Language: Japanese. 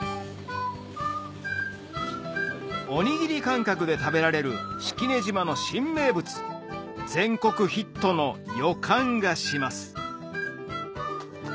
おにぎり感覚で食べられる式根島の新名物全国ヒットの予感がします